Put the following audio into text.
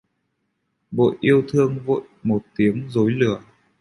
Vội yêu thương vội một tiếng dối lừa...